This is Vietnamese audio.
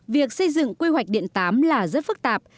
việc xây dựng quy hoạch điện tám là rất phức tạp